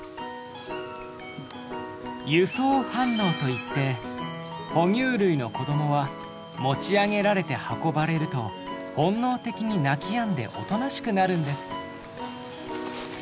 輸送反応といって哺乳類の子どもは持ち上げられて運ばれると本能的に泣きやんでおとなしくなるんです。